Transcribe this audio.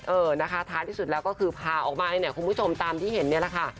เออนะคะท้ายที่สุดแล้วก็คือพาออกมาเองเนี่ยคุณผู้ชมตามที่เห็นเนี่ยแหละค่ะ